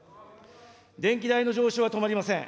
電気代の上昇は止まりません。